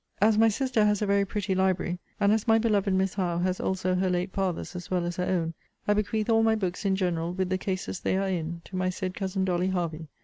As my sister has a very pretty library; and as my beloved Miss Howe has also her late father's as well as her own; I bequeath all my books in general, with the cases they are in, to my said cousin Dolly Hervey.